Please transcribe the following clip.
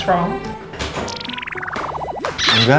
apa yang salah